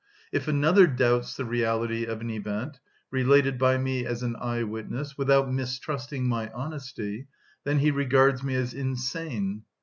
If another doubts the reality of an event, related by me as an eye‐witness, without mistrusting my honesty, then he regards me as insane.